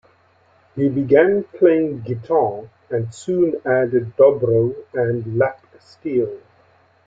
He began playing guitar and soon added dobro and lap steel.